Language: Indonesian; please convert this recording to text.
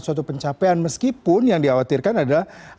suatu pencapaian meskipun yang dikhawatirkan adalah